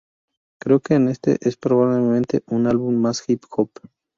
Creo que este es probablemente un álbum más hip-hop.